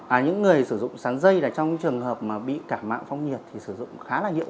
à những người sử dụng sán dây là trong trường hợp mà bị cả mạng phong nhiệt thì sử dụng khá là hiệu